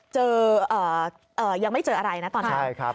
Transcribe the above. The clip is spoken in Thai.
ยังไม่เจออะไรนะตอนนั้น